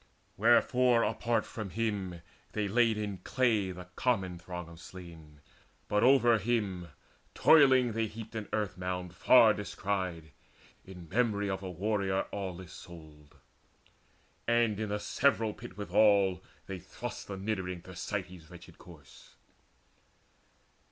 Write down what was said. Wherefore apart from him they laid in clay The common throng of slain; but over him Toiling they heaped an earth mound far descried In memory of a warrior aweless souled. And in a several pit withal they thrust The niddering Thersites' wretched corse.